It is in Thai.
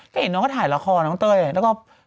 ก็เห็นน้องก็ถ่ายละครน้องเต้ยแล้วก็